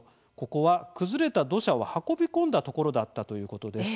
ここは崩れた土砂を運び込んだところだったということです。